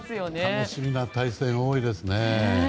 楽しみな対戦が多いですね。